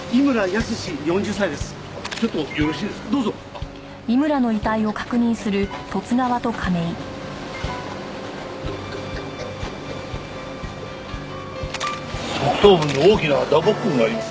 側頭部に大きな打撲痕がありますね。